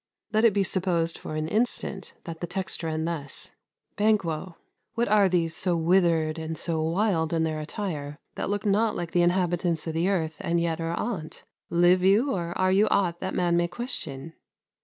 Let it be supposed, for an instant, that the text ran thus Banquo. ... What are these So withered and so wild in their attire, That look not like the inhabitants o' th' earth, And yet are on't? Live you, or are you ought That man may question?